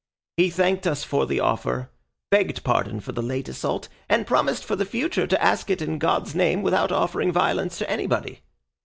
He thanked us for the offer, begged pardon for the late assault, and promised for the future to ask it in God's name without offering violence to anybody.